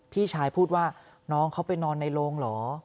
พี่ชายพูดว่าน้องเขาไปนอนในโรงเหรอ